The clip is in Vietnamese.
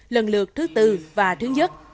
lần lượt thứ tư và thứ nhất